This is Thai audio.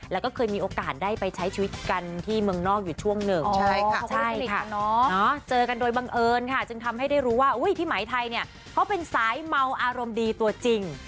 แล้วก็เคยมีโอกาสไปใช้ชีวิตกันที่เมืองนอกอยู่ช่วงนึง